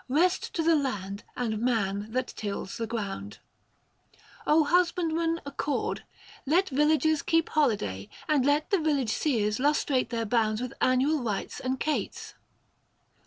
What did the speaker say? Best to the land and man that tills the ground husbandman accord : let villagers Keep holiday, and let the village seers 720 Lustrate their bounds with annual rites and cates.